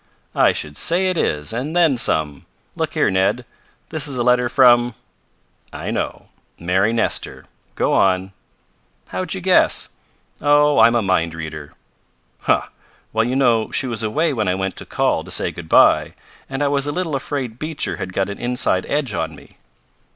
"I should say it is, and then some! Look here, Ned. This is a letter from " "I know. Mary Nestor. Go on." "How'd you guess?" "Oh, I'm a mind reader." "Huh! Well, you know she was away when I went to call to say good bye, and I was a little afraid Beecher had got an inside edge on me."